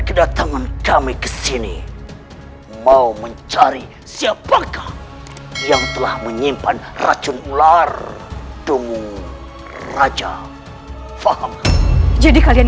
jika ada sesuatu yang mencurigakan